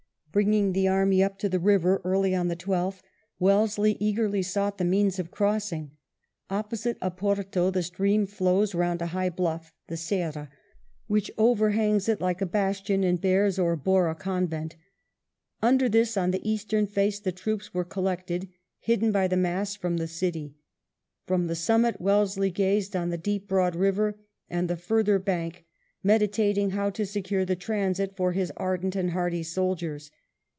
Bringing the army up to the river early on the 12th, Wellesley eagerly sought the means of crossing. Opposite Oporto the stream flows round a high bluff, the Serra, which overhangs it like a bastion and bears, or bore, a convent. Under this on the eastern face the troops were collected, hidden by the mass from the city. From the summit Wellesley gazed on the deep broad river and the further bank, meditating how to secure the transit for his ardent and hardy soldiers.